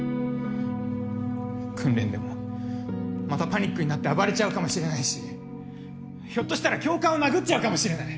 訓練でもまたパニックになって暴れちゃうかもしれないしひょっとしたら教官を殴っちゃうかもしれない。